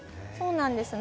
そうなんです。